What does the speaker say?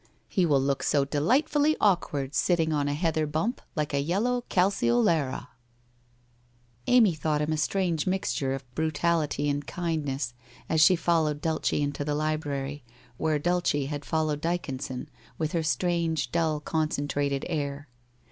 He will look 76 WHITE ROSE OF WEARY LEAF so delightfully awkward sitting on a heather bump, like a yellow calceolaria !* Amy thought him a strange mixture of brutality and kindness, as she followed Dulcc into the library, where Dnlce had followed Dyconson with her strange dull con centrated air.